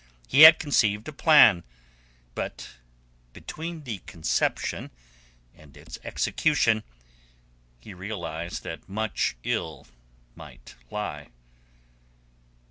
He had conceived a plan; but between the conception and its execution he realized that much ill might lie.